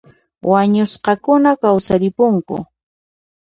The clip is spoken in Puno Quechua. Wañusqakuna kawsarimpunku